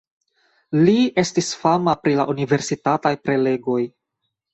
Li estis fama pri la universitataj prelegoj.